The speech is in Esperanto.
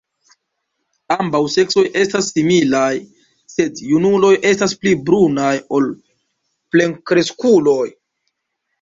Ambaŭ seksoj estas similaj, sed junuloj estas pli brunaj ol plenkreskuloj.